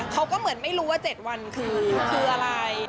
เขาก็เหมือนไม่รู้ว่า๗วันคืออะไร